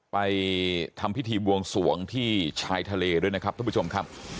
ไปทำพิธีวงศวงที่ชายทะเลเลยนะครับทุกผู้ชมค่ะ